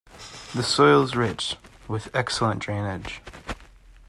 The soil is rich, with excellent drainage.